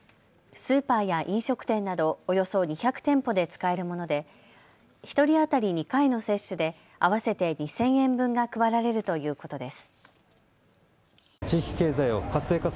スーパーや飲食店などおよそ２００店舗で使えるもので１人当たり２回の接種で合わせて２０００円分が配られるということです。